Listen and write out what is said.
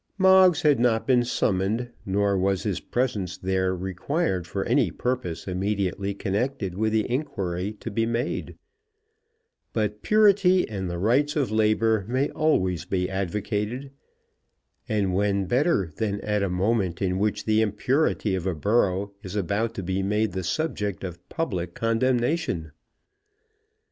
Moggs had not been summoned, nor was his presence there required for any purpose immediately connected with the inquiry to be made; but Purity and the Rights of Labour may always be advocated; and when better than at a moment in which the impurity of a borough is about to be made the subject of public condemnation?